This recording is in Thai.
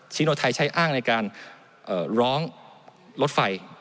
ชิโนไทยใช้อ้างในการร้องรถไฟ